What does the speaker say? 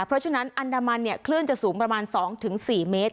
เพราะฉะนั้นอันดามันคลื่นจะสูงประมาณ๒๔เมตร